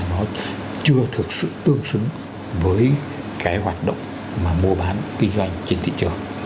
nó chưa thực sự tương xứng với cái hoạt động mà mua bán kinh doanh trên thị trường